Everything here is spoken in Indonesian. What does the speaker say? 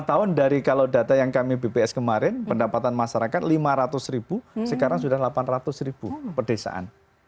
lima tahun dari kalau data yang kami bps kemarin pendapatan masyarakat lima ratus ribu sekarang sudah delapan ratus ribu perdesaan